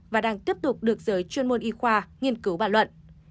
và đang tiếp tục được giới chuyên môn y khoa nghiên cứu và luận